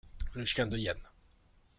Le chien de Yann.